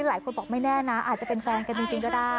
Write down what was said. หลายคนบอกไม่แน่นะอาจจะเป็นแฟนกันจริงก็ได้